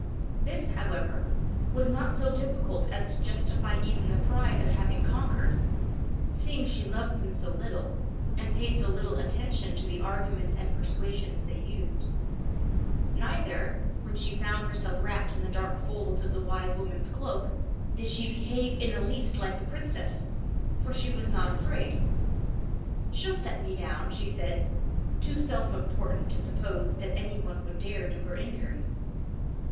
This, however, was not so difficult as to justify even the pride of having conquered, seeing she loved them so little, and paid so little attention to the arguments and persuasions they used. Neither, when she found herself wrapped in the dark folds of the wise woman's cloak, did she behave in the least like the princess, for she was not afraid. "She'll soon set me down," she said, too self important to suppose that any one would dare do her an injury.